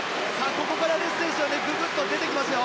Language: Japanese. ここからレス選手がググっと出てきますよ。